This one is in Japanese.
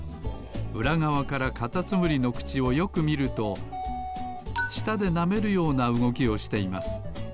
うらがわからカタツムリのくちをよくみるとしたでなめるようなうごきをしています。